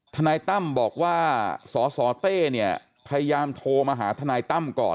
ทนายตั้มบอกว่าสสเต้เนี่ยพยายามโทรมาหาทนายตั้มก่อน